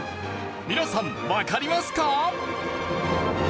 皆さんわかりますか？